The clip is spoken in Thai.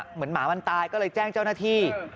หมามันตายก็เลยแจ้งเจ้าหน้าที่